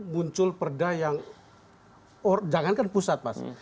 muncul perda yang jangan kan pusat mas